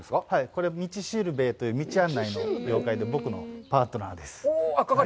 これは「みちしるべぇ」という道案内の妖怪で、僕のパートナーです。